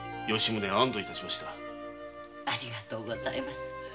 ありがとうございます。